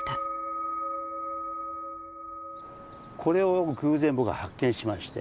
これを偶然僕は発見しまして。